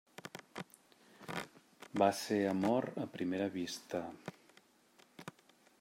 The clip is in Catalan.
Va ser amor a primera vista.